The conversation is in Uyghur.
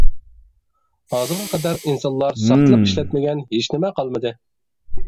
ھازىرغا قەدەر ئىنسانلار ساختىلىق ئىشلەتمىگەن ھېچنېمە قالمىدى.